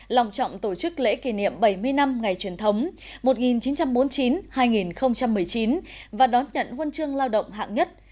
lòng trọng tổ chức lễ kỷ niệm bảy mươi năm ngày truyền thống một nghìn chín trăm bốn mươi chín hai nghìn một mươi chín và đón nhận huân chương lao động hạng nhất